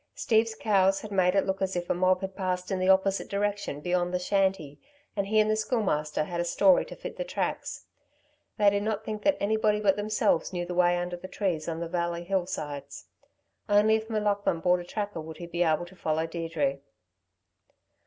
Steve's cows had made it look as if a mob had passed in the opposite direction beyond the shanty, and he and the Schoolmaster had a story to fit the tracks. They did not think that anybody but themselves knew the way under the trees on the Valley hillsides. Only if M'Laughlin brought a tracker would he be able to follow Deirdre.